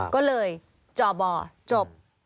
ก็เลยจ่อบ่อจบ